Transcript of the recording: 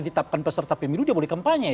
ditetapkan peserta pemilu dia boleh kampanye